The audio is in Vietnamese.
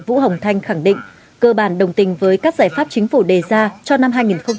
vũ hồng thanh khẳng định cơ bản đồng tình với các giải pháp chính phủ đề ra cho năm hai nghìn hai mươi